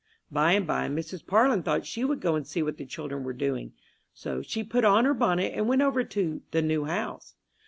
By and by Mrs. Parlin thought she would go and see what the children were doing; so she put on her bonnet and went over to the "new house."